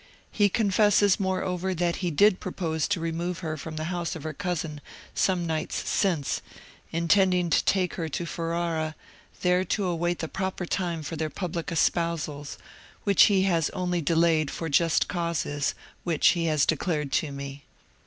He confesses, moreover, that he did propose to remove her from the house of her cousin some nights since, intending to take her to Ferrara, there to await the proper time for their public espousals, which he has only delayed for just causes, which he has declared to me.